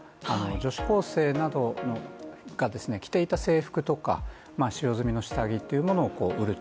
女子高生などが着ていた制服とか使用済みの下着というものを売る。